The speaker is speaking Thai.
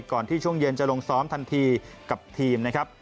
ก่อนที่ช่วงเย็นจะลงซ้อมทันทีกับทีมนะครับ